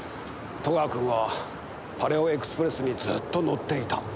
戸川君はパレオエクスプレスにずっと乗っていた。